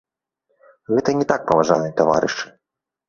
Гэта не так, паважаныя таварышы.